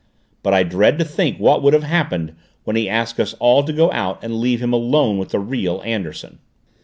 But I dread to think what would have happened when he asked us all to go out and leave him alone with the real Anderson!"